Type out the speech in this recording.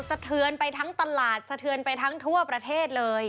สะเทือนไปทั้งตลาดสะเทือนไปทั้งทั่วประเทศเลย